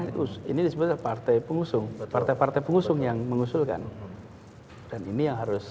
itu ini disebut partai pengusung partai partai pengusung yang mengusulkan dan ini yang harus